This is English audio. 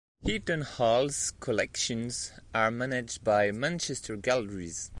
Heaton Hall's collections are managed by Manchester Galleries.